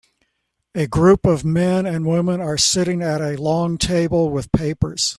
A group of men and women are sitting at a long table with papers